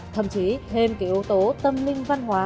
thậm chí thêm cái yếu tố tâm linh văn hóa